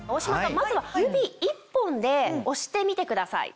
まずは指１本で押してみてください。